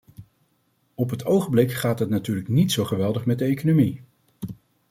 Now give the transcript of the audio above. Op het ogenblik gaat het natuurlijk niet zo geweldig met de economie.